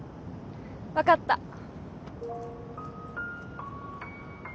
分かった。